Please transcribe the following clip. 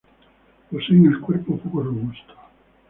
Poseen el cuerpo poco robusto.